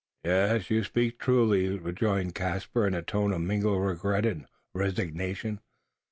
"Yes, you speak truly," rejoined Caspar, in a tone of mingled regret and resignation.